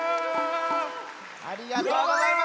ありがとうございます。